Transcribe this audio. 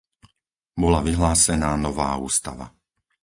Bola vyhlásená nová ústava.